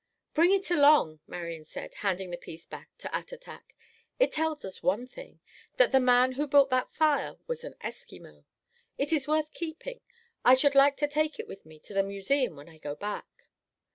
"Bring it along," Marian said, handing the piece back to Attatak. "It tells us one thing—that the man who built that fire was an Eskimo. It is worth keeping. I should like to take it with me to the Museum when I go back.